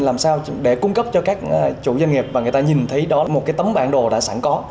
làm sao để cung cấp cho các chủ doanh nghiệp và người ta nhìn thấy đó là một cái tấm bản đồ đã sẵn có